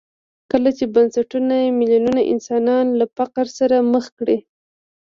کله چې بنسټونه میلیونونه انسانان له فقر سره مخ کړي.